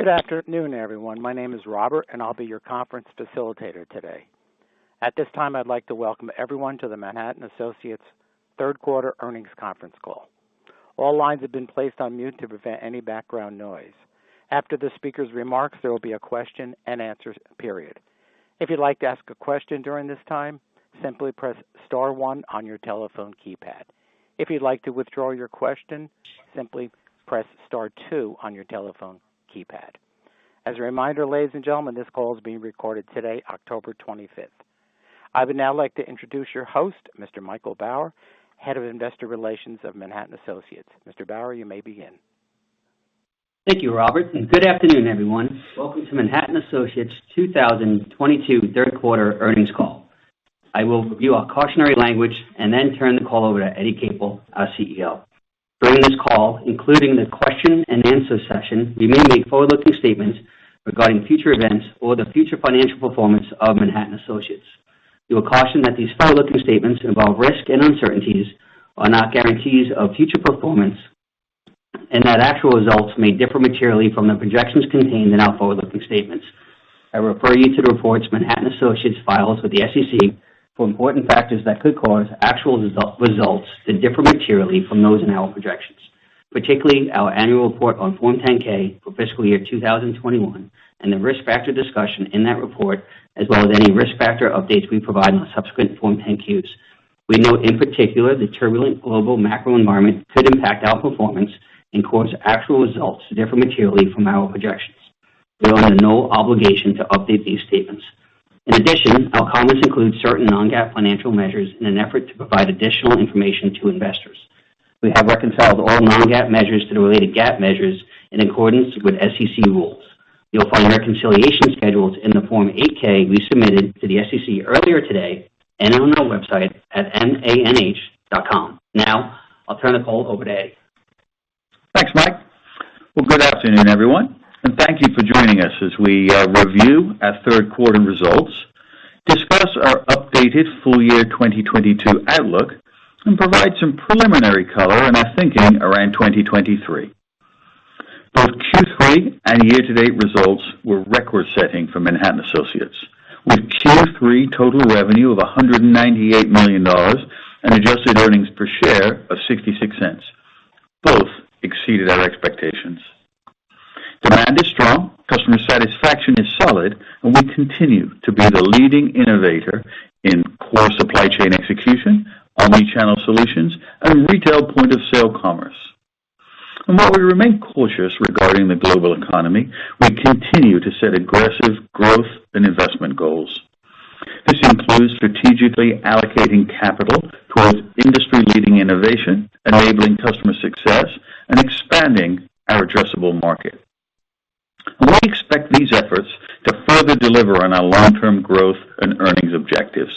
Good afternoon, everyone. My name is Robert, and I'll be your conference facilitator today. At this time, I'd like to welcome everyone to the Manhattan Associates third quarter earnings conference call. All lines have been placed on mute to prevent any background noise. After the speaker's remarks, there will be a question-and-answer period. If you'd like to ask a question during this time, simply press *1 on your telephone keypad. If you'd like to withdraw your question, simply press *2 on your telephone keypad. As a reminder, ladies and gentlemen, this call is being recorded today, October 25th. I would now like to introduce your host, Mr. Michael Bauer, Head of Investor Relations of Manhattan Associates. Mr. Bauer, you may begin. Thank you, Robert, and good afternoon, everyone. Welcome to Manhattan Associates 2022 third quarter earnings call. I will review our cautionary language and then turn the call over to Eddie Capel, our CEO. During this Michael Bauer, Head of Investor Relations of Manhattan Associatesall, including the question-and-answer session, we may make forward-looking statements regarding future events or the future financial performance of Manhattan Associates. We caution that these forward-looking statements involve risks and uncertainties and are not guarantees of future performance, and that actual results may differ materially from the projections contained in our forward-looking statements. I refer you to the reports Manhattan Associates files with the SEC for important factors that could cause actual results to differ materially from those in our projections, particularly our annual report on Form 10-K for fiscal year 2021 and the risk factor discussion in that report, as well as any risk factor updates we provide on subsequent Form 10-Qs. We note, in particular, the turbulent global macro environment could impact our performance and cause actual results to differ materially from our projections. We are under no obligation to update these statements. In addition, our comments include certain non-GAAP financial measures in an effort to provide additional information to investors. We have reconciled all non-GAAP measures to the related GAAP measures in accordance with SEC rules. You'll find our reconciliation schedules in the Form 8-K we submitted to the SEC earlier today and on our website at manh.com. Now I'll turn the call over to Eddie. Thanks, Mike. Well, good afternoon, everyone, and thank you for joining us as we review our third quarter results, discuss our updated full year 2022 outlook, and provide some preliminary color in our thinking around 2023. Both Q3 and year-to-date results were record-setting for Manhattan Associates, with Q3 total revenue of $198 million and adjusted earnings per share of $0.66. Both exceeded our expectations. Demand is strong, customer satisfaction is solid, and we continue to be the leading innovator in core supply chain execution, omni-channel solutions and retail point of sale commerce. While we remain cautious regarding the global economy, we continue to set aggressive growth and investment goals. This includes strategically allocating capital towards industry-leading innovation, enabling customer success, and expanding our addressable market. We expect these efforts to further deliver on our long-term growth and earnings objectives.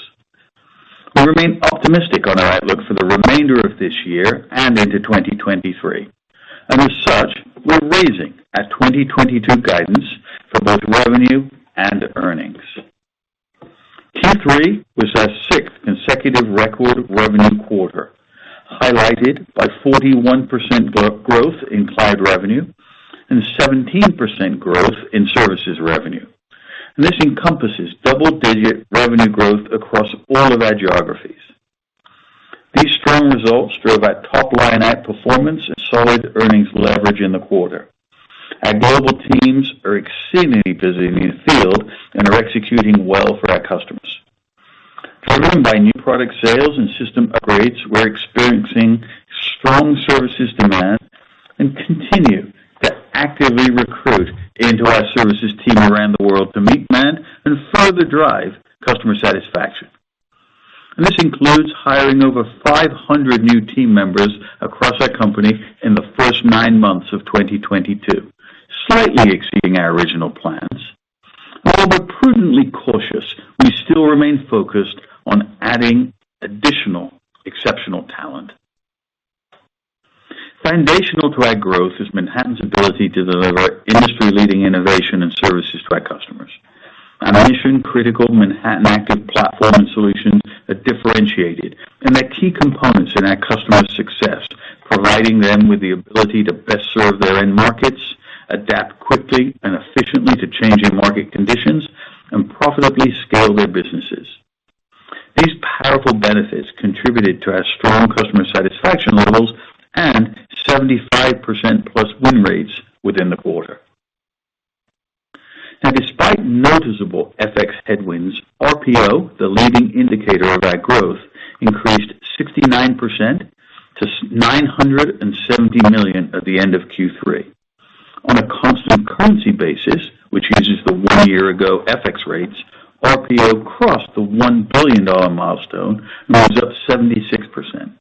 We remain optimistic on our outlook for the remainder of this year and into 2023. As such, we're raising our 2022 guidance for both revenue and earnings. Q3 was our sixth consecutive record revenue quarter, highlighted by 41% growth in cloud revenue and 17% growth in services revenue. This encompasses double-digit revenue growth across all of our geographies. These strong results drove our top-line outperformance and solid earnings leverage in the quarter. Our global teams are exceedingly busy in the field and are executing well for our customers. Driven by new product sales and system upgrades, we're experiencing strong services demand and continue to actively recruit into our services team around the world to meet demand and further drive customer satisfaction. This includes hiring over 500 new team members across our company in the first 9 months of 2022, slightly exceeding our original plans. Although prudently cautious, we still remain focused on adding additional exceptional talent. Foundational to our growth is Manhattan's ability to deliver industry-leading innovation and services to our customers. Our mission-critical Manhattan Active Platform and solutions are differentiated, and they're key components in our customers' success, providing them with the ability to best serve their end markets, adapt quickly and efficiently to changing market conditions, and profitably scale their businesses. These powerful benefits contributed to our strong customer satisfaction levels and 75%+ win rates within the quarter. Despite noticeable FX headwinds, RPO, the leading indicator of our growth, increased 69% to $970 million at the end of Q3. On a constant currency basis, which uses the one year ago FX rates, RPO crossed the $1 billion milestone and was up 76%.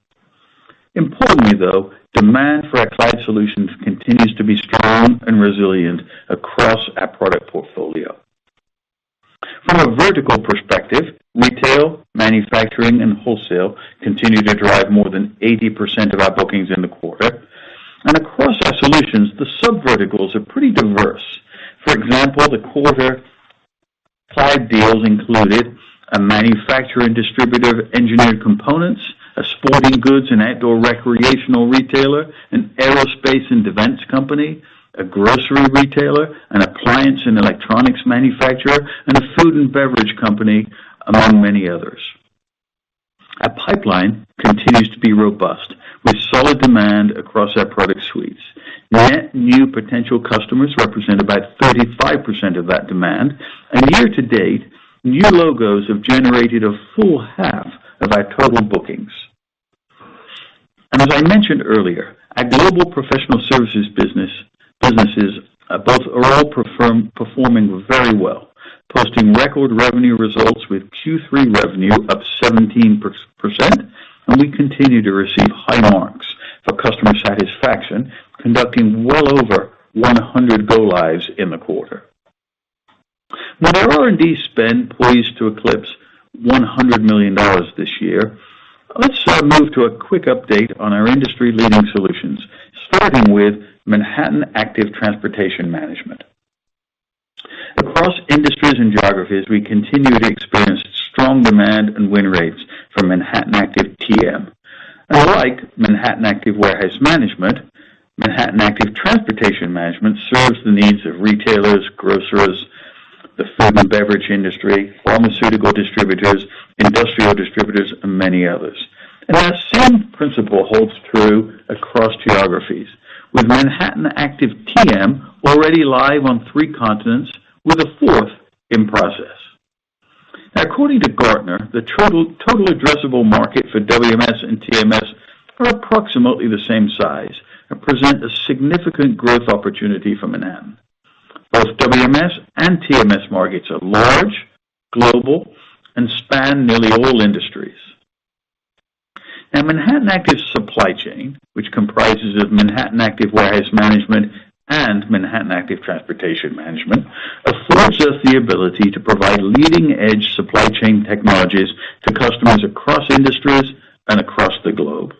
Importantly, though, demand for our cloud solutions continues to be strong and resilient across our product portfolio. From a vertical perspective, retail, manufacturing, and wholesale continue to drive more than 80% of our bookings in the quarter. Across our solutions, the sub verticals are pretty diverse. For example, the top five deals included a manufacturer and distributor of engineered components, a sporting goods and outdoor recreational retailer, an aerospace and defense company, a grocery retailer, an appliance and electronics manufacturer, and a food and beverage company, among many others. Our pipeline continues to be robust with solid demand across our product suites. Net new potential customers represent about 35% of that demand. Year to date, new logos have generated a full half of our total bookings. As I mentioned earlier, our global professional services business and businesses abroad are all performing very well, posting record revenue results with Q3 revenue up 17%. We continue to receive high marks for customer satisfaction, conducting well over 100 go lives in the quarter. With our R&D spend poised to eclipse $100 million this year, let's move to a quick update on our industry-leading solutions, starting with Manhattan Active Transportation Management. Across industries and geographies, we continue to experience strong demand and win rates for Manhattan Active TM. Like Manhattan Active Warehouse Management, Manhattan Active Transportation Management serves the needs of retailers, grocers, the food and beverage industry, pharmaceutical distributors, industrial distributors and many others. That same principle holds true across geographies, with Manhattan Active TM already live on three continents with a fourth in process. According to Gartner, the total addressable market for WMS and TMS are approximately the same size and present a significant growth opportunity for Manhattan. Both WMS and TMS markets are large, global, and span nearly all industries. Now Manhattan Active Supply Chain, which comprises of Manhattan Active Warehouse Management and Manhattan Active Transportation Management, affords us the ability to provide leading edge supply chain technologies to customers across industries and across the globe.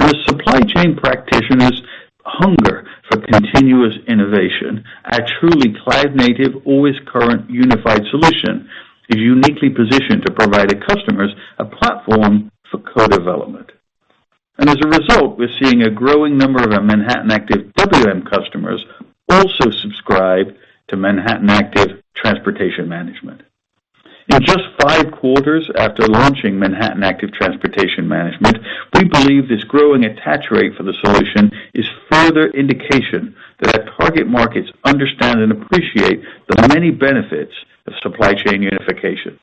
As supply chain practitioners hunger for continuous innovation, our truly cloud native, always current unified solution is uniquely positioned to provide our customers a platform for co-development. As a result, we're seeing a growing number of our Manhattan Active WM customers also subscribe to Manhattan Active Transportation Management. In just five quarters after launching Manhattan Active Transportation Management, we believe this growing attach rate for the solution is further indication that our target markets understand and appreciate the many benefits of supply chain unification.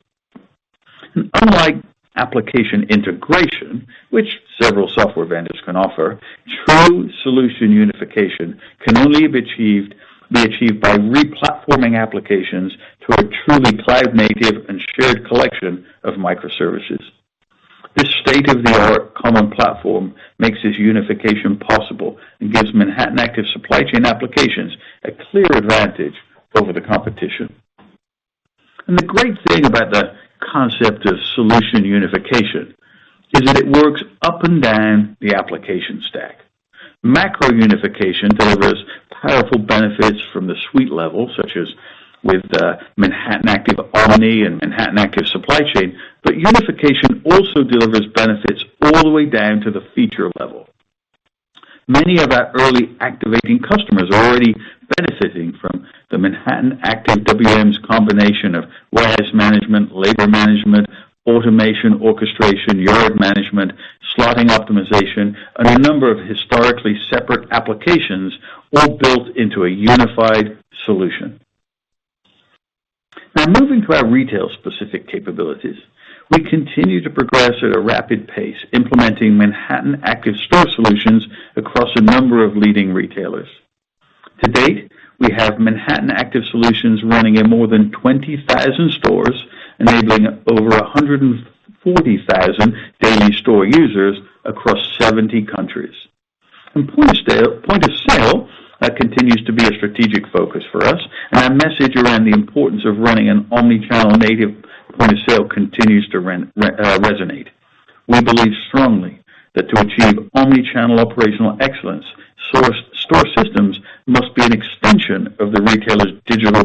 Unlike application integration, which several software vendors can offer, true solution unification can only be achieved by replatforming applications to a truly cloud native and shared collection of microservices. This state-of-the-art common platform makes this unification possible and gives Manhattan Active Supply Chain applications a clear advantage over the competition. The great thing about the concept of solution unification is that it works up and down the application stack. Macro unification delivers powerful benefits from the suite level, such as with Manhattan Active Omni and Manhattan Active Supply Chain. Unification also delivers benefits all the way down to the feature level. Many of our early activating customers are already benefiting from the Manhattan Active WM's combination of warehouse management, labor management, automation, orchestration, yard management, slotting optimization, and a number of historically separate applications all built into a unified solution. Now moving to our retail specific capabilities. We continue to progress at a rapid pace, implementing Manhattan Active Store solutions across a number of leading retailers. To date, we have Manhattan Active Solutions running in more than 20,000 stores, enabling over 140,000 daily store users across 70 countries. Point of sale continues to be a strategic focus for us, and our message around the importance of running an omnichannel native point of sale continues to resonate. We believe strongly that to achieve omnichannel operational excellence, source store systems must be an extension of the retailer's digital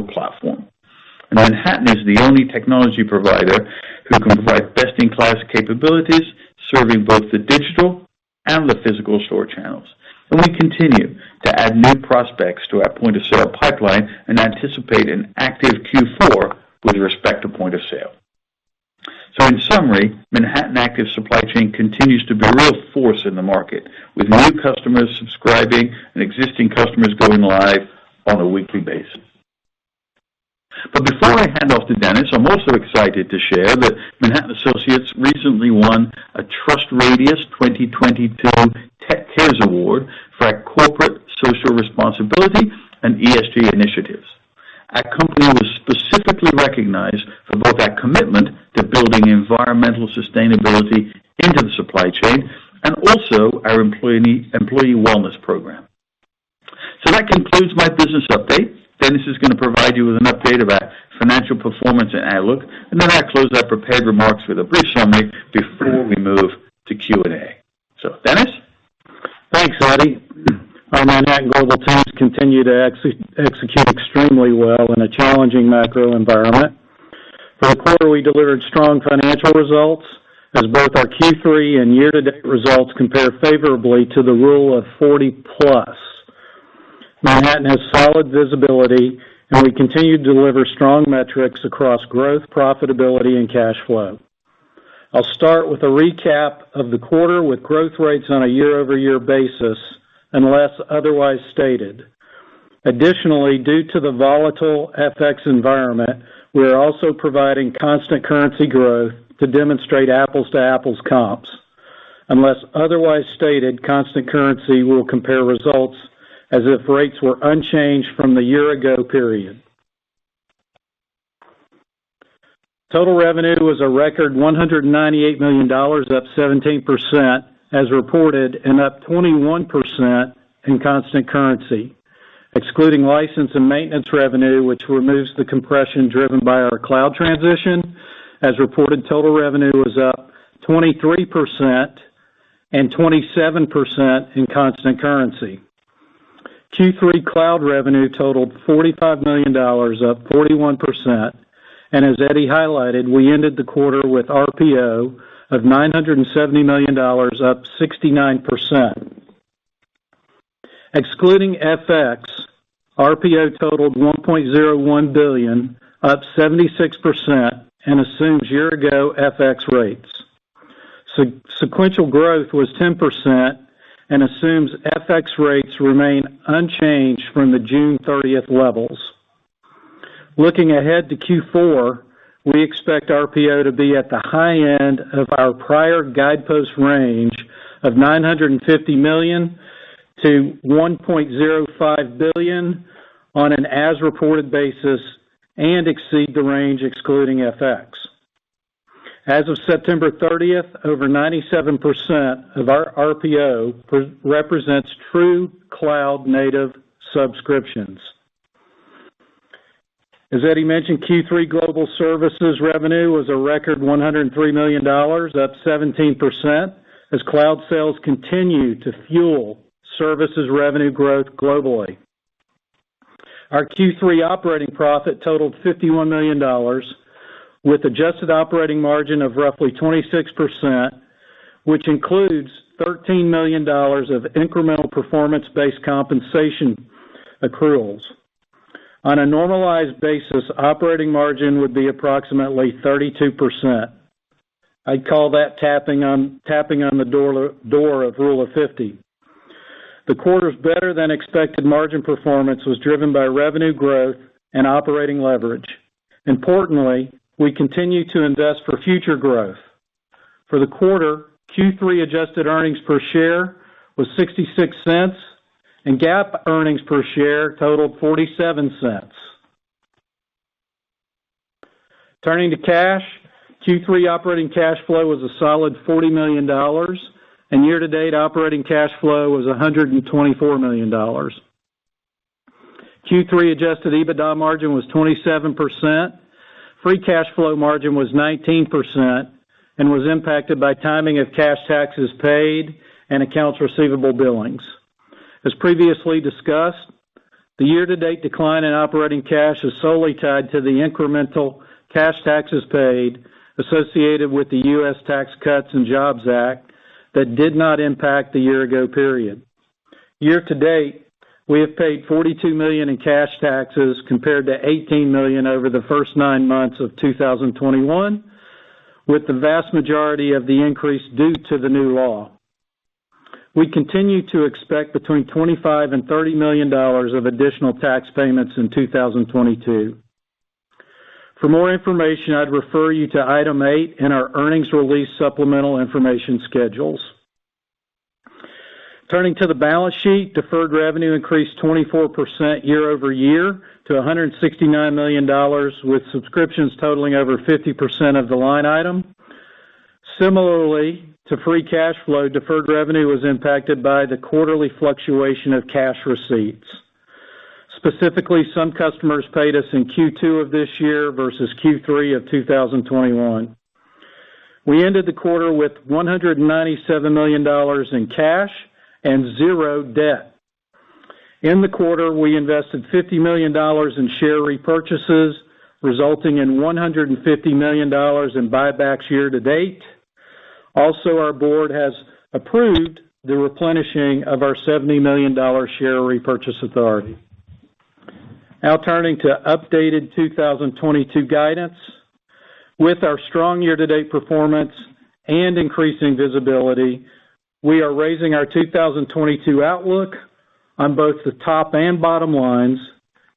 platform. Manhattan is the only technology provider who can provide best in class capabilities, serving both the digital and the physical store channels. We continue to add new prospects to our point of sale pipeline and anticipate an active Q4 with respect to point of sale. In summary, Manhattan Active Supply Chain continues to be a real force in the market, with new customers subscribing and existing customers going live on a weekly basis. Before I hand off to Dennis, I'm also excited to share that Manhattan Associates recently won a TrustRadius 2022 Top Rated Award for our corporate social responsibility and ESG initiatives. Our company was specifically recognized for both our commitment to building environmental sustainability into the supply chain and also our employee wellness program. That concludes my business update. Dennis is gonna provide you with an update of our financial performance and outlook, and then I'll close our prepared remarks with a brief summary before we move to Q&A. So, Dennis. Thanks, Eddie, our Manhattan Global teams continue to execute extremely well in a challenging macro environment. For the quarter, we delivered strong financial results as both our Q3 and year-to-date results compare favorably to the rule of 40+. Manhattan has solid visibility, and we continue to deliver strong metrics across growth, profitability, and cash flow. I'll start with a recap of the quarter with growth rates on a year-over-year basis, unless otherwise stated. Additionally, due to the volatile FX environment, we are also providing constant currency growth to demonstrate apples to apples comps. Unless otherwise stated, constant currency will compare results as if rates were unchanged from the year-ago period. Total revenue was a record $198 million, up 17% as reported, and up 21% in constant currency. Excluding license and maintenance revenue, which removes the compression driven by our cloud transition, as reported, total revenue was up 23% and 27% in constant currency. Q3 cloud revenue totaled $45 million, up 41%. As Eddie highlighted, we ended the quarter with RPO of $970 million, up 69%. Excluding FX, RPO totaled $1.01 billion, up 76%, and assumes year-ago FX rates. Sequential growth was 10% and assumes FX rates remain unchanged from the June 30 levels. Looking ahead to Q4, we expect RPO to be at the high end of our prior guidepost range of $950 million-$1.05 billion on an as-reported basis, and exceed the range excluding FX. As of September 30, over 97% of our RPO represents true cloud native subscriptions. As Eddie mentioned, Q3 global services revenue was a record $103 million, up 17%, as cloud sales continue to fuel services revenue growth globally. Our Q3 operating profit totaled $51 million, with adjusted operating margin of roughly 26%, which includes $13 million of incremental performance-based compensation accruals. On a normalized basis, operating margin would be approximately 32%. I'd call that tapping on the door of rule of fifty. The quarter's better-than-expected margin performance was driven by revenue growth and operating leverage. Importantly, we continue to invest for future growth. For the quarter, Q3 adjusted earnings per share was $0.66, and GAAP earnings per share totaled $0.47. Turning to cash, Q3 operating cash flow was a solid $40 million, and year-to-date operating cash flow was $124 million. Q3 adjusted EBITDA margin was 27%. Free cash flow margin was 19% and was impacted by timing of cash taxes paid and accounts receivable billings. As previously discussed, the year-to-date decline in operating cash is solely tied to the incremental cash taxes paid associated with the U.S. Tax Cuts and Jobs Act that did not impact the year-ago period. Year to date, we have paid $42 million in cash taxes compared to $18 million over the first nine months of 2021, with the vast majority of the increase due to the new law. We continue to expect between $25 million and $30 million of additional tax payments in 2022. For more information, I'd refer you to item eight in our earnings release supplemental information schedules. Turning to the balance sheet, deferred revenue increased 24% year-over-year to $169 million, with subscriptions totaling over 50% of the line item. Similarly to free cash flow, deferred revenue was impacted by the quarterly fluctuation of cash receipts. Specifically, some customers paid us in Q2 of this year versus Q3 of 2021. We ended the quarter with $197 million in cash and zero debt. In the quarter, we invested $50 million in share repurchases, resulting in $150 million in buybacks year-to-date. Also, our board has approved the replenishing of our $70 million share repurchase authority. Now turning to updated 2022 guidance. With our strong year-to-date performance and increasing visibility, we are raising our 2022 outlook on both the top and bottom lines,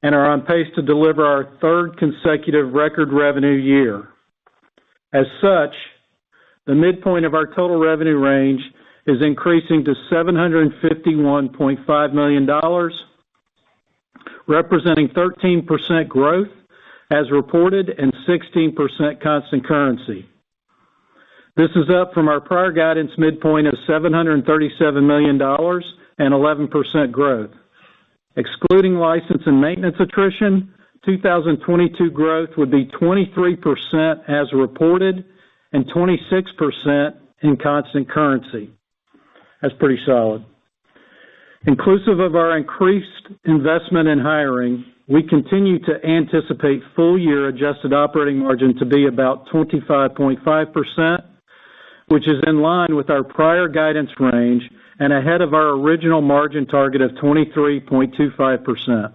and are on pace to deliver our third consecutive record revenue year. As such, the midpoint of our total revenue range is increasing to $751.5 million, representing 13% growth as reported, and 16% constant currency. This is up from our prior guidance midpoint of $737 million and 11% growth. Excluding license and maintenance attrition, 2022 growth would be 23% as reported and 26% in constant currency. That's pretty solid. Inclusive of our increased investment in hiring, we continue to anticipate full year adjusted operating margin to be about 25.5%, which is in line with our prior guidance range and ahead of our original margin target of 23.25%.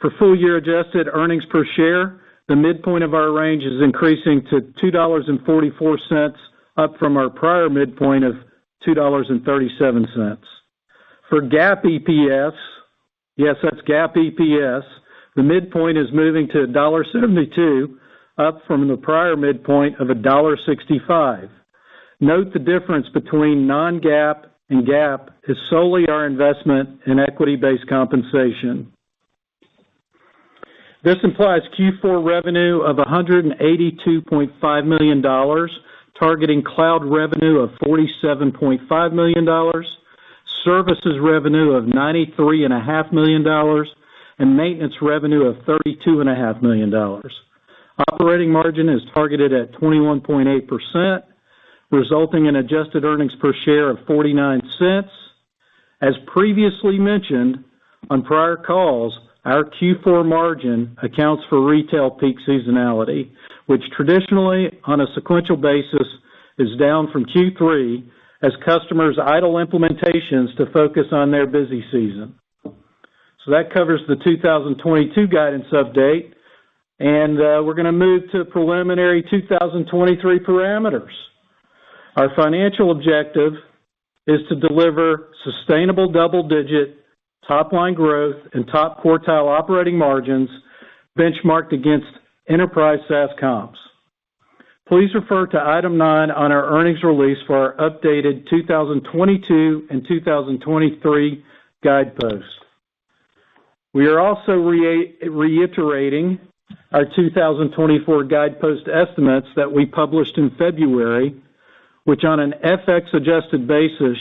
For full year adjusted earnings per share, the midpoint of our range is increasing to $2.44, up from our prior midpoint of $2.37. For GAAP EPS, yes, that's GAAP EPS, the midpoint is moving to $1.72, up from the prior midpoint of $1.65. Note the difference between non-GAAP and GAAP is solely our investment in equity-based compensation. This implies Q4 revenue of $182.5 million, targeting cloud revenue of $47.5 million, services revenue of $93.5 million, and maintenance revenue of $32.5 million. Operating margin is targeted at 21.8%, resulting in adjusted earnings per share of $0.49. As previously mentioned on prior calls, our Q4 margin accounts for retail peak seasonality, which traditionally, on a sequential basis, is down from Q3 as customers idle implementations to focus on their busy season. That covers the 2022 guidance update, and we're gonna move to preliminary 2023 parameters. Our financial objective is to deliver sustainable double-digit top-line growth and top quartile operating margins benchmarked against enterprise SaaS comps. Please refer to Item 9 on our earnings release for our updated 2022 and 2023 guideposts. We are also reiterating our 2024 guidepost estimates that we published in February, which on an FX-adjusted basis,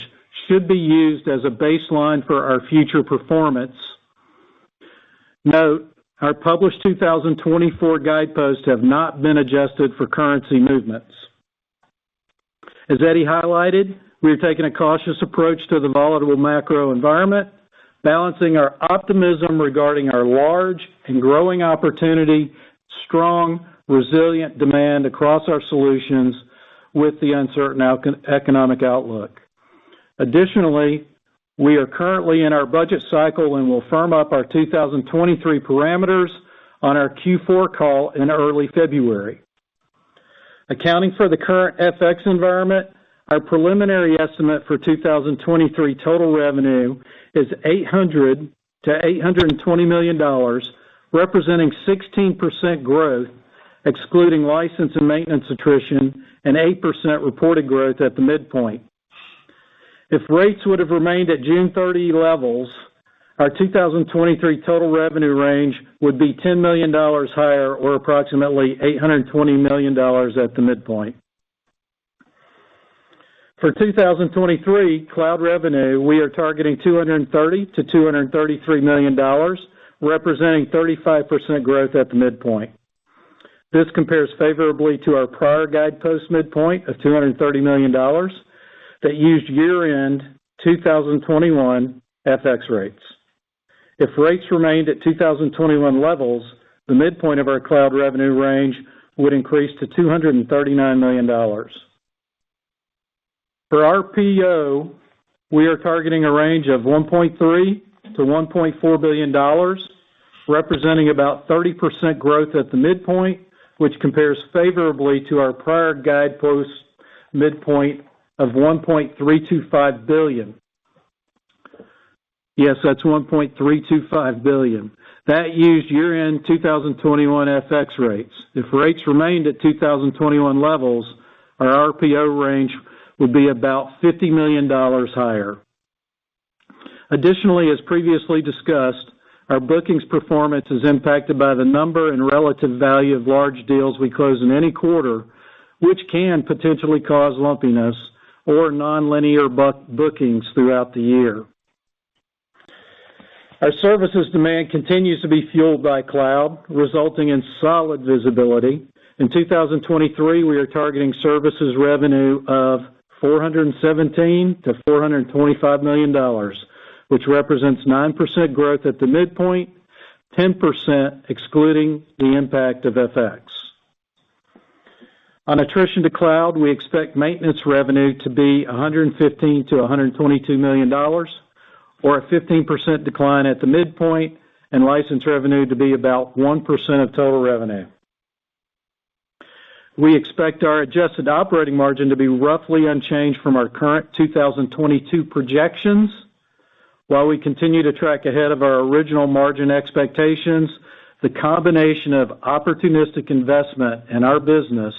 should be used as a baseline for our future performance. Note, our published 2024 guideposts have not been adjusted for currency movements. As Eddie highlighted, we have taken a cautious approach to the volatile macro environment, balancing our optimism regarding our large and growing opportunity, strong, resilient demand across our solutions with the uncertain economic outlook. Additionally, we are currently in our budget cycle, and we'll firm up our 2023 parameters on our Q4 call in early February. Accounting for the current FX environment, our preliminary estimate for 2023 total revenue is $800 million-$820 million, representing 16% growth, excluding license and maintenance attrition, and 8% reported growth at the midpoint. If rates would've remained at June 30 levels, our 2023 total revenue range would be $10 million higher or approximately $820 million at the midpoint. For 2023 cloud revenue, we are targeting $230 million-$233 million, representing 35% growth at the midpoint. This compares favorably to our prior guidepost midpoint of $230 million that used year-end 2021 FX rates. If rates remained at 2021 levels, the midpoint of our cloud revenue range would increase to $239 million. For our RPO, we are targeting a range of $1.3 billion-$1.4 billion, representing about 30% growth at the midpoint, which compares favorably to our prior guidepost midpoint of $1.325 billion. Yes, that's $1.325 billion. That used year-end 2021 FX rates. If rates remained at 2021 levels, our RPO range would be about $50 million higher. Additionally, as previously discussed, our bookings performance is impacted by the number and relative value of large deals we close in any quarter, which can potentially cause lumpiness or nonlinear bookings throughout the year. Our services demand continues to be fueled by cloud, resulting in solid visibility. In 2023, we are targeting services revenue of $417 million-$425 million, which represents 9% growth at the midpoint, 10% excluding the impact of FX. On attrition to cloud, we expect maintenance revenue to be $115 million-$122 million or a 15% decline at the midpoint, and license revenue to be about 1% of total revenue. We expect our adjusted operating margin to be roughly unchanged from our current 2022 projections, while we continue to track ahead of our original margin expectations. The combination of opportunistic investment in our business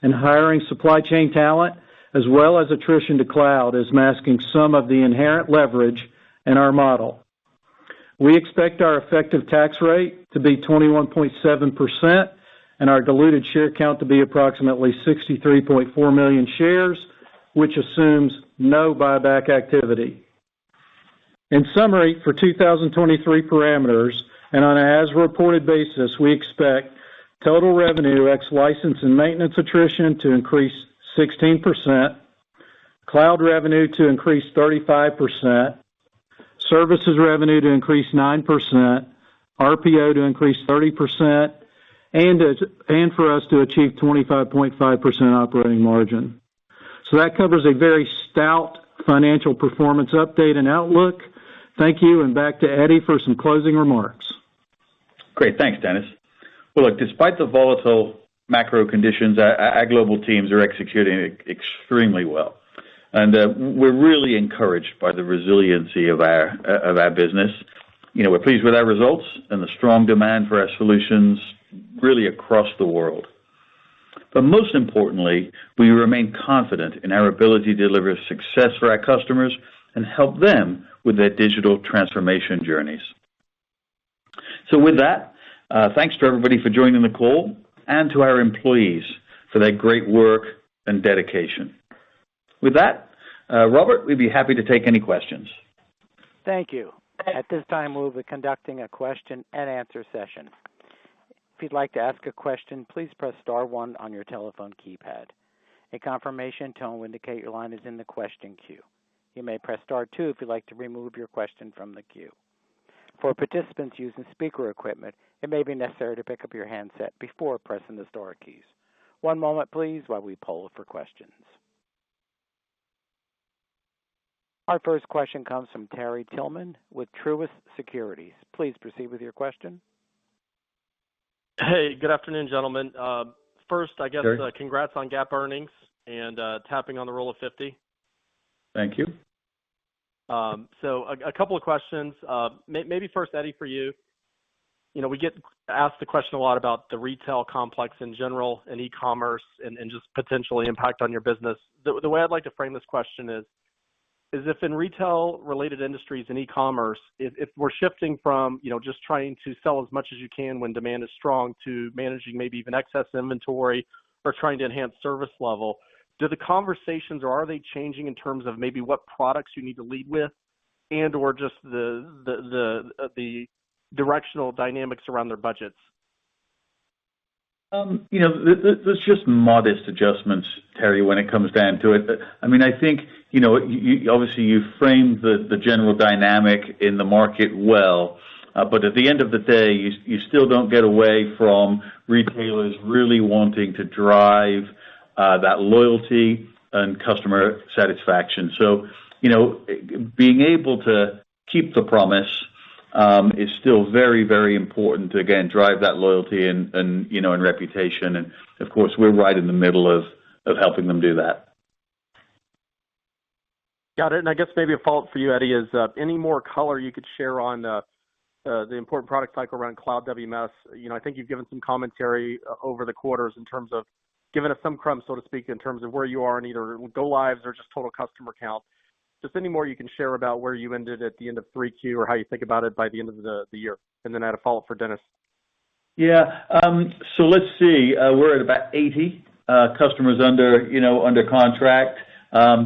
and hiring supply chain talent as well as attrition to cloud is masking some of the inherent leverage in our model. We expect our effective tax rate to be 21.7% and our diluted share count to be approximately 63.4 million shares, which assumes no buyback activity. In summary, for 2023 parameters and on an as reported basis, we expect total revenue ex license and maintenance attrition to increase 16%, cloud revenue to increase 35%, services revenue to increase 9%, RPO to increase 30%, and for us to achieve 25.5% operating margin. That covers a very stout financial performance update and outlook. Thank you, and back to Eddie for some closing remarks. Great. Thanks, Dennis. Well, look, despite the volatile macro conditions, our global teams are executing extremely well. We're really encouraged by the resiliency of our business. We're pleased with our results and the strong demand for our solutions really across the world. Most importantly, we remain confident in our ability to deliver success for our customers and help them with their digital transformation journeys. With that, thanks to everybody for joining the call and to our employees for their great work and dedication. With that, Robert, we'd be happy to take any questions. Thank you. At this time, we'll be conducting a question-and-answer session. If you'd like to ask a question, please press *1 on your telephone keypad. A confirmation tone will indicate your line is in the question queue. You may press *2 if you'd like to remove your question from the queue. For participants using speaker equipment, it may be necessary to pick up your handset before pressing the star keys. One moment please while we poll for questions. Our first question comes from Terry Tillman with Truist Securities. Please proceed with your question. Hey, good afternoon, gentlemen. First, I guess. Terry Congrats on GAAP earnings and tapping on the rule of 50. Thank you. A couple of questions. Maybe first, Eddie, for you. We get asked the question a lot about the retail complex in general and e-commerce and just potentially impact on your business. The way I'd like to frame this question is if in retail-related industries and e-commerce, if we're shifting from just trying to sell as much as you can when demand is strong to managing maybe even excess inventory or trying to enhance service level, do the conversations or are they changing in terms of maybe what products you need to lead with and/or just the directional dynamics around their budgets? There's just modest adjustments, Terry, when it comes down to it. I mean, I think, you obviously framed the general dynamic in the market well. At the end of the day, you still don't get away from retailers really wanting to drive that loyalty and customer satisfaction. Being able to keep the promise is still very, very important to again drive that loyalty and reputation. Of course, we're right in the middle of helping them do that. Got it. I guess maybe a follow-up for you, Eddie, is any more color you could share on the important product cycle around Cloud WMS. I think you've given some commentary over the quarters in terms of giving us some crumbs, so to speak, in terms of where you are in either go lives or just total customer count. Just any more you can share about where you ended at the end of 3Q or how you think about it by the end of the year? Then I had a follow-up for Dennis. Yeah. So let's see, we're at about 80 customers under contract.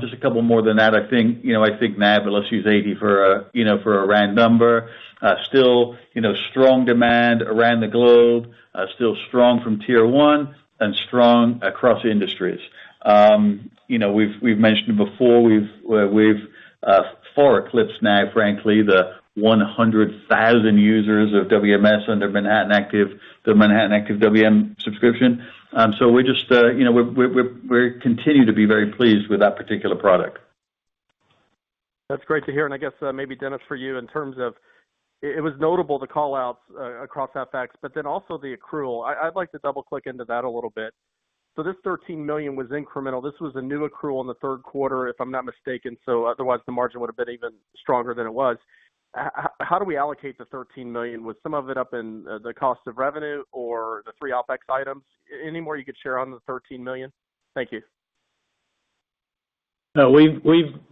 Just a couple more than that, I think, you know, I think 82, but let's use 80 for a round number. Still, you know, strong demand around the globe, still strong from tier one and strong across industries. You know, we've mentioned before, we've far eclipsed now, frankly, the 100,000 users of WMS under Manhattan Active, the Manhattan Active WM subscription. So we just, you know, we're continuing to be very pleased with that particular product. That's great to hear. I guess, maybe Dennis, for you in terms of it was notable the call outs across OpEx, but then also the accrual. I'd like to double-click into that a little bit. This $13 million was incremental. This was a new accrual in the third quarter, if I'm not mistaken, so otherwise, the margin would have been even stronger than it was. How do we allocate the $13 million? Was some of it up in the cost of revenue or the three OpEx items? Any more you could share on the $13 million? Thank you. No, we've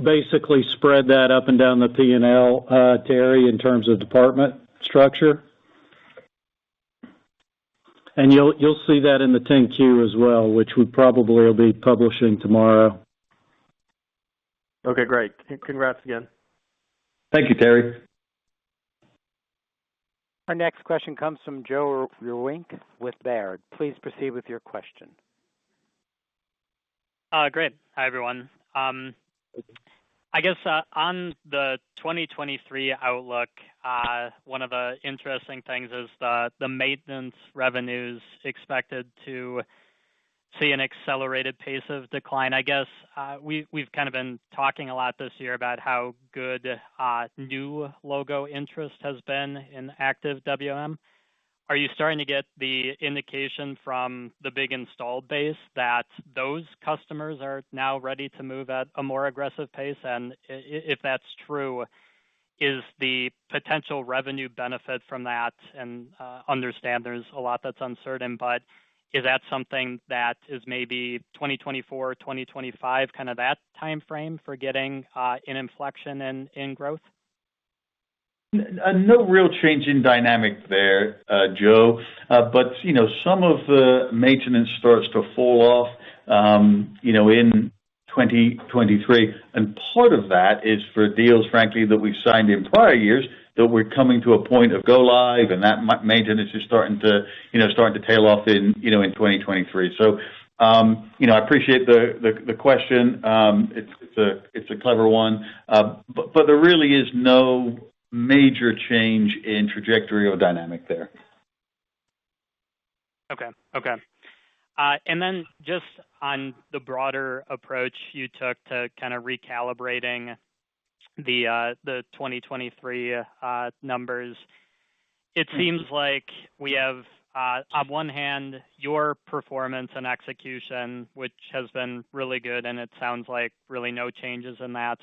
basically spread that up and down the P&L, Terry, in terms of department structure. You'll see that in the 10-Q as well, which we probably will be publishing tomorrow. Okay, great. Congrats again. Thank you, Terry. Our next question comes from Joe Vruwink with Baird. Please proceed with your question. Great. Hi, everyone. I guess, on the 2023 outlook, one of the interesting things is that the maintenance revenue is expected to see an accelerated pace of decline. I guess, we've kind of been talking a lot this year about how good new logo interest has been in Active WM. Are you starting to get the indication from the big installed base that those customers are now ready to move at a more aggressive pace? If that's true, is the potential revenue benefit from that, and understand there's a lot that's uncertain, but is that something that is maybe 2024, 2025, kind of that timeframe for getting an inflection in growth? No real change in dynamic there, Joe. You know, some of the maintenance starts to fall off, you know, in 2023, and part of that is for deals, frankly, that we've signed in prior years that we're coming to a point of go live and that maintenance is starting to tail off in 2023. You know, I appreciate the question. It's a clever one. There really is no major change in trajectory or dynamic there. Okay, just on the broader approach you took to kind of recalibrating the 2023 numbers. It seems like we have, on one hand, your performance and execution, which has been really good, and it sounds like really no changes in that.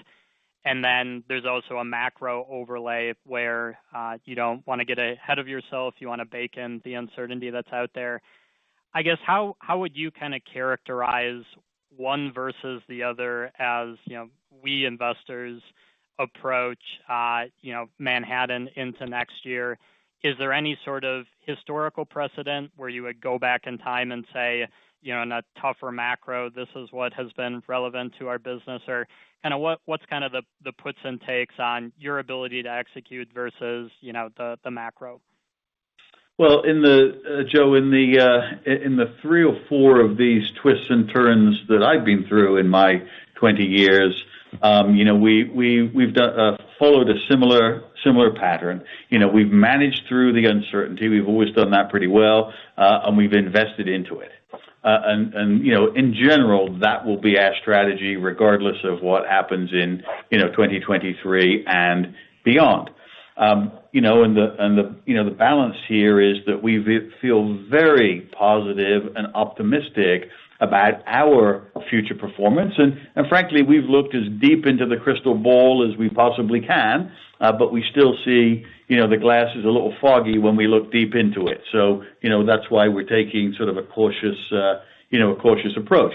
There's also a macro overlay where you don't wanna get ahead of yourself, you wanna bake in the uncertainty that's out there. I guess, how would you kind of characterize one versus the other as, you know, we investors approach, you know, Manhattan into next year? Is there any sort of historical precedent where you would go back in time and say, you know, in a tougher macro, this is what has been relevant to our business? What's kind of the puts and takes on your ability to execute versus, you know, the macro? Well, Joe, in the 3 or 4 of these twists and turns that I've been through in my 20 years, you know, we've followed a similar pattern. You know, we've managed through the uncertainty. We've always done that pretty well, and we've invested into it. You know, in general, that will be our strategy regardless of what happens in, you know, 2023 and beyond. You know, the balance here is that we feel very positive and optimistic about our future performance. Frankly, we've looked as deep into the crystal ball as we possibly can, but we still see, you know, the glass is a little foggy when we look deep into it. You know, that's why we're taking sort of a cautious approach.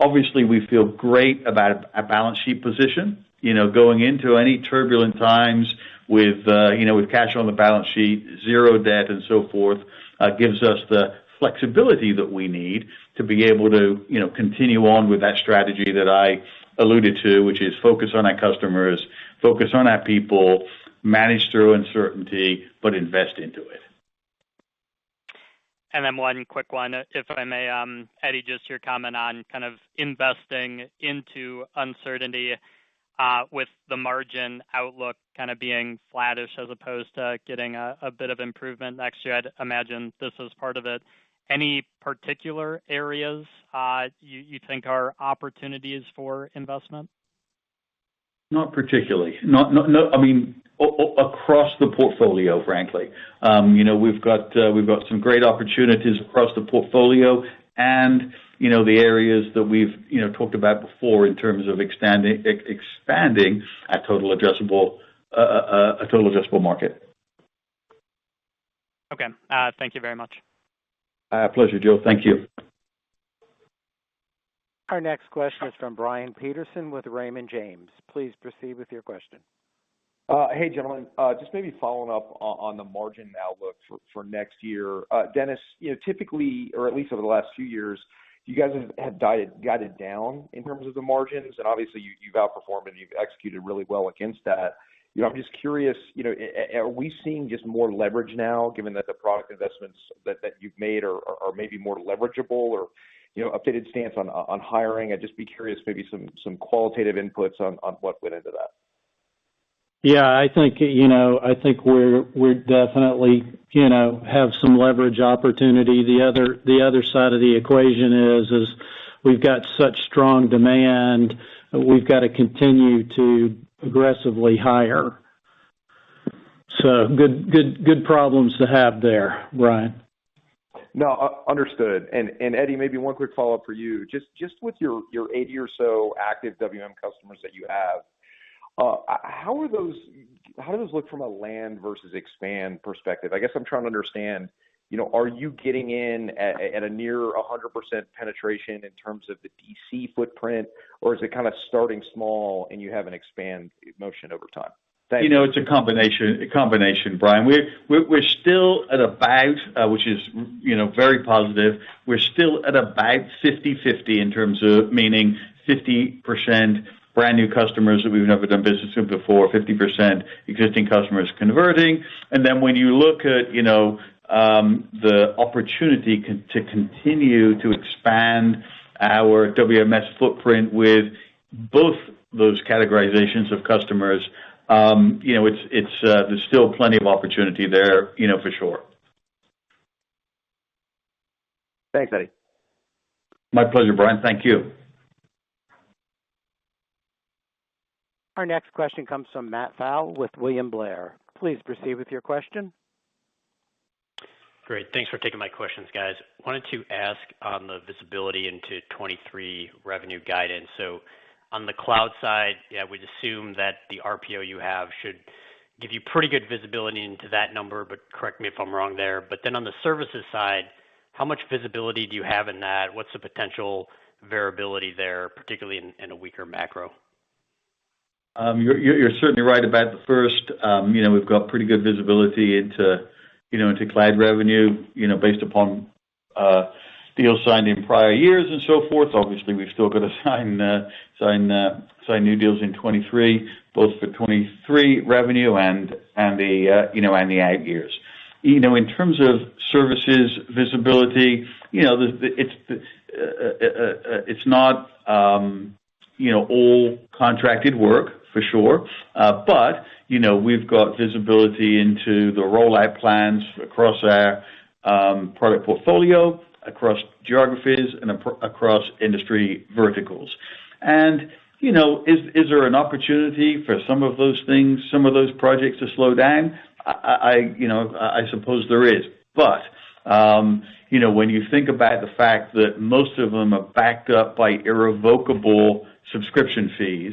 Obviously, we feel great about our balance sheet position. You know, going into any turbulent times with, you know, with cash on the balance sheet, zero debt and so forth, gives us the flexibility that we need to be able to, you know, continue on with that strategy that I alluded to, which is focus on our customers, focus on our people, manage through uncertainty, but invest into it. Then one quick one, if I may, Eddie, just your comment on kind of investing into uncertainty with the margin outlook kind of being flattish as opposed to getting a bit of improvement next year. I'd imagine this is part of it. Any particular areas you think are opportunities for investment? Not particularly. I mean, across the portfolio, frankly. You know, we've got some great opportunities across the portfolio and, you know, the areas that we've talked about before in terms of expanding our total addressable market. Okay. Thank you very much. Pleasure, Joe. Thank you. Our next question is from Brian Peterson with Raymond James. Please proceed with your question. Hey, gentlemen. Just maybe following up on the margin outlook for next year. Dennis, you know, typically, or at least over the last few years, you guys have guided down in terms of the margins, and obviously you've outperformed and you've executed really well against that. You know, I'm just curious, you know, are we seeing just more leverage now given that the product investments that you've made are maybe more leverageable or, you know, updated stance on hiring? I'd just be curious, maybe some qualitative inputs on what went into that. Yeah, I think, you know, I think we're definitely, you know, have some leverage opportunity. The other side of the equation is we've got such strong demand. We've got to continue to aggressively hire. Good problems to have there, Brian. No, understood. Eddie, maybe one quick follow-up for you. Just with your 80 or so active WM customers that you have, how do those look from a land versus expand perspective? I guess I'm trying to understand, you know, are you getting in at a near 100% penetration in terms of the DC footprint, or is it kind of starting small and you have an expand motion over time? You know, it's a combination, Brian. We're still at about, which is, you know, very positive. We're still at about 50/50 in terms of meaning 50% brand new customers that we've never done business with before, 50% existing customers converting. Then when you look at, you know, the opportunity to continue to expand our WMS footprint with both those categorizations of customers, you know, it's, there's still plenty of opportunity there, you know, for sure. Thanks, Eddie. My pleasure, Brian. Thank you. Our next question comes from Matthew Pfau with William Blair. Please proceed with your question. Great. Thanks for taking my questions, guys. Wanted to ask on the visibility into 2023 revenue guidance. On the cloud side, yeah, we'd assume that the RPO you have should give you pretty good visibility into that number, but correct me if I'm wrong there. On the services side How much visibility do you have in that? What's the potential variability there, particularly in a weaker macro? You're certainly right about the first. You know, we've got pretty good visibility into, you know, into cloud revenue, you know, based upon deals signed in prior years and so forth. Obviously, we've still got to sign new deals in 2023, both for 2023 revenue and the out years. You know, in terms of services visibility, you know, it's not all contracted work for sure. But, you know, we've got visibility into the rollout plans across our product portfolio, across geographies, and across industry verticals. You know, is there an opportunity for some of those things, some of those projects to slow down? I, you know, I suppose there is. You know, when you think about the fact that most of them are backed up by irrevocable subscription fees,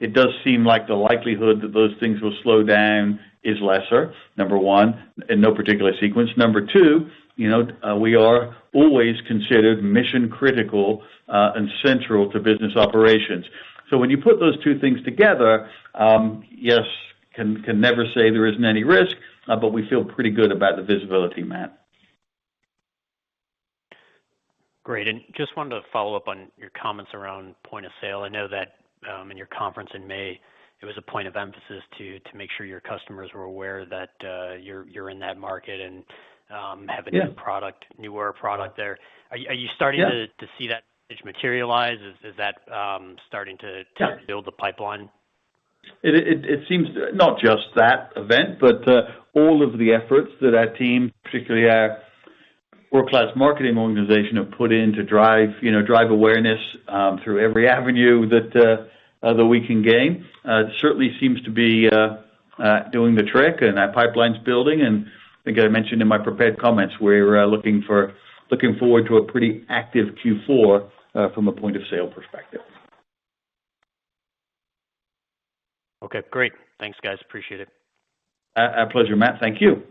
it does seem like the likelihood that those things will slow down is lesser, number one, in no particular sequence. Number two, you know, we are always considered mission-critical and central to business operations. When you put those two things together, yes, can never say there isn't any risk, but we feel pretty good about the visibility, Matt. Great. Just wanted to follow up on your comments around point of sale. I know that, in your conference in May, it was a point of emphasis to make sure your customers were aware that, you're in that market and, have- Yeah. A new product, newer product there. Are you? Yeah. Are you starting to see that materialize? Is that starting to? Yeah. build the pipeline? It seems not just that event, but all of the efforts that our team, particularly our world-class marketing organization, have put in to drive, you know, drive awareness through every avenue that we can gain certainly seems to be doing the trick and our pipeline's building. I think I mentioned in my prepared comments, we're looking forward to a pretty active Q4 from a point-of-sale perspective. Okay, great. Thanks, guys. Appreciate it. Our pleasure, Matt. Thank you.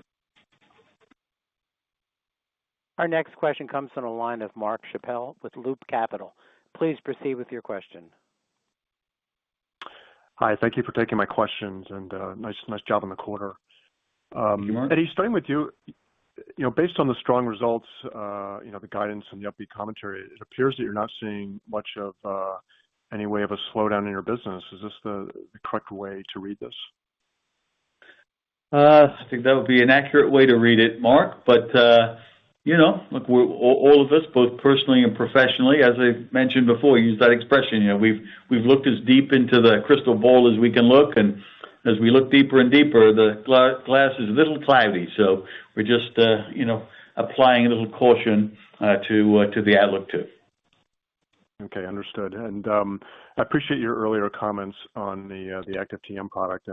Our next question comes from the line of Mark Schappel with Loop Capital Markets. Please proceed with your question. Hi. Thank you for taking my questions, and nice job on the quarter. You're welcome. Eddie, starting with you. You know, based on the strong results, you know, the guidance and the upbeat commentary, it appears that you're not seeing much of any way of a slowdown in your business. Is this the correct way to read this? I think that would be an accurate way to read it, Mark. You know, look, we're all of us, both personally and professionally, as I've mentioned before, use that expression, you know, we've looked as deep into the crystal ball as we can look. As we look deeper and deeper, the glass is a little cloudy, so we're just, you know, applying a little caution to the outlook, too. Okay, understood. I appreciate your earlier comments on the Active TM product.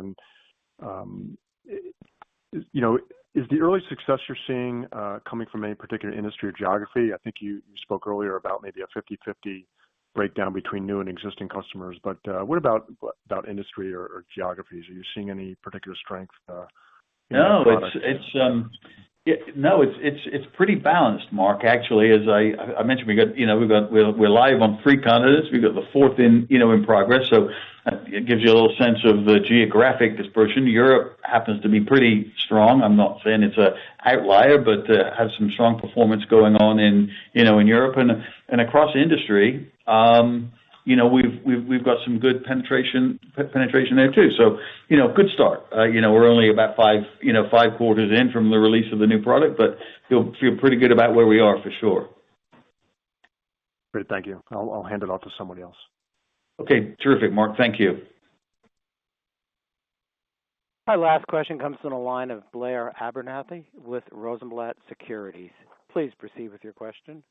You know, is the early success you're seeing coming from any particular industry or geography? I think you spoke earlier about maybe a 50/50 breakdown between new and existing customers. What about industry or geographies? Are you seeing any particular strength in that product? No, it's pretty balanced, Mark. Actually, as I mentioned, you know, we've got. We're live on three continents. We've got the fourth in progress, so it gives you a little sense of the geographic dispersion. Europe happens to be pretty strong. I'm not saying it's an outlier, but has some strong performance going on in Europe and across industry. You know, we've got some good penetration there too, so you know, good start. You know, we're only about five quarters in from the release of the new product, but feel pretty good about where we are for sure. Great. Thank you. I'll hand it off to somebody else. Okay. Terrific, Mark. Thank you. Our last question comes from the line of Blair Abernethy with Rosenblatt Securities. Please proceed with your question.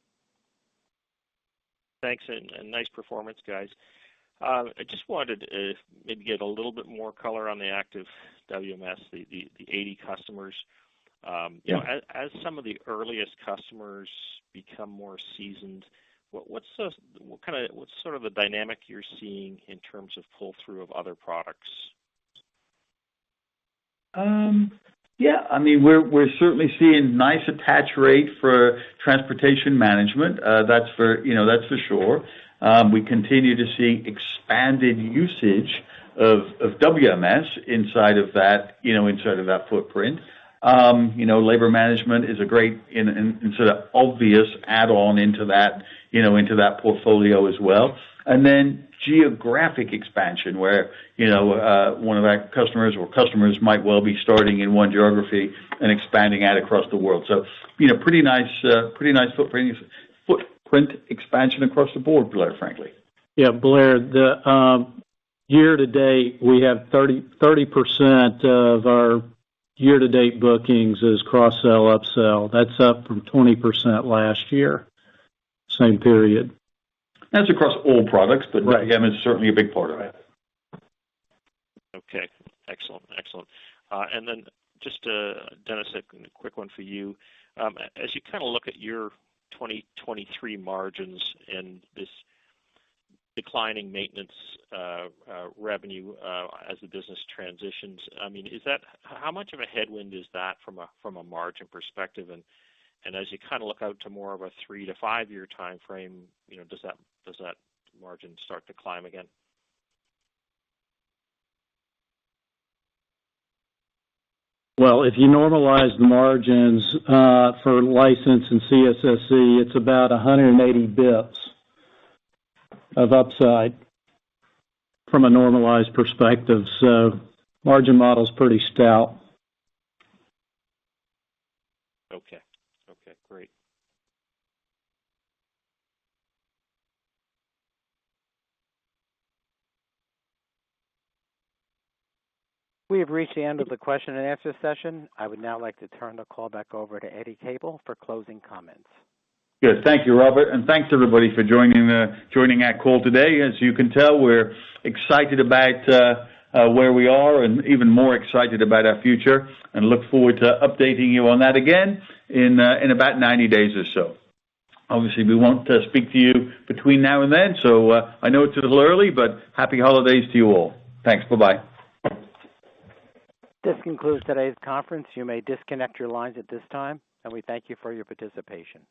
Thanks and nice performance, guys. I just wanted maybe get a little bit more color on the Active WMS, the 80 customers. Yeah. As some of the earliest customers become more seasoned, what's sort of the dynamic you're seeing in terms of pull-through of other products? I mean, we're certainly seeing nice attach rate for transportation management. That's for sure. We continue to see expanded usage of WMS inside of that footprint. You know, labor management is a great and sort of obvious add-on into that portfolio as well. Then geographic expansion, where one of our customers or customers might well be starting in one geography and expanding out across the world. You know, pretty nice footprint expansion across the board, Blair, frankly. Yeah, Blair, the year-to-date, we have 30% of our year-to-date bookings as cross-sell, up-sell. That's up from 20% last year, same period. That's across all products. Right. WMS is certainly a big part of it. Okay, excellent. Just, Dennis, a quick one for you. As you kind of look at your 2023 margins and this declining maintenance revenue, as the business transitions, I mean, how much of a headwind is that from a margin perspective? As you kind of look out to more of a 3-5-year timeframe, you know, does that margin start to climb again? Well, if you normalize the margins for license and CSS&E, it's about 180 basis points of upside from a normalized perspective. Margin model's pretty stout. Okay. Okay, great. We have reached the end of the question and answer session. I would now like to turn the call back over to Eddie Capel for closing comments. Good. Thank you, Robert, and thanks everybody for joining our call today. As you can tell, we're excited about where we are and even more excited about our future and look forward to updating you on that again in about 90 days or so. Obviously, we want to speak to you between now and then, so I know it's a little early, but Happy Holidays to you all. Thanks. Bye-bye. This concludes today's conference. You may disconnect your lines at this time, and we thank you for your participation.